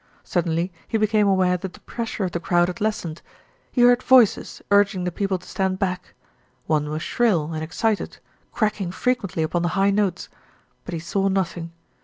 Suddenly he became aware that the pressure of the crowd had lessened. He heard voices, urging the peo ple to stand back. One was shrill and excited, crack ing frequently upon the high notes; but he saw nothing.